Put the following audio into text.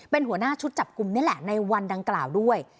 เป็นหัวหน้าชุดจับกลุ่มนี่แหละในวันดังกล่าวด้วย